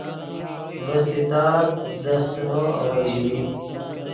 ڤے ستار دے استینو آویژئی